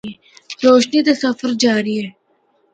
روشنی دا اے سفر جاری ہے۔